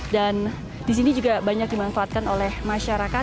dan di sini juga banyak dimanfaatkan oleh masyarakat